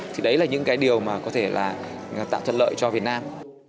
thì đấy là những cái điều mà có thể là tạo thuận lợi cho việt nam